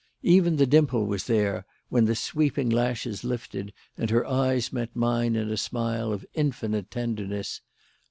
Even the dimple was there when the sweeping lashes lifted and her eyes met mine in a smile of infinite tenderness.